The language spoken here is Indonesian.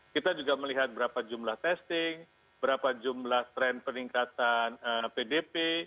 kita juga melihat berapa jumlah testing berapa jumlah tren peningkatan pdp